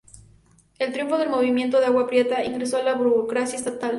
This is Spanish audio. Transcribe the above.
Al triunfo del movimiento de Agua Prieta, ingresó a la burocracia estatal.